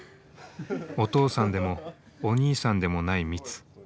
お父さんでもお兄さんでもないミツ。